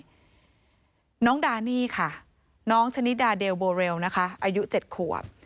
ภาพนี้น้องดานี่ค่ะน้องชนิดาเดลโบเรลนะคะอายุเจ็ดขวบ